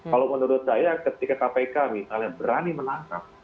kalau menurut saya ketika kpk misalnya berani menangkap